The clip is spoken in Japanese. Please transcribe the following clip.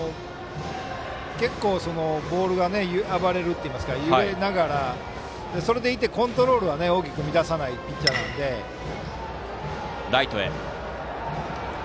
結構、ボールが暴れるというか揺れながら、それでいてコントロールは大きく乱さないピッチャーですね。